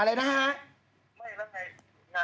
ไม่แล้วในงานการที่หนุ่มก็มีทำเยอะแยะ